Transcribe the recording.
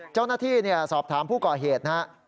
เจ้าหน้าที่สอบถามผู้ก่อเหตุนะครับ